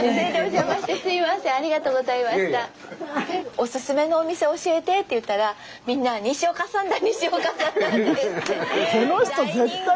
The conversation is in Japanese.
おすすめのお店教えてって言ったらみんな「西岡さんだ西岡さんだ」って言って大人気。